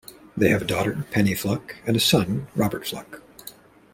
They have a daughter Penny Fluck and a son Robert Fluck.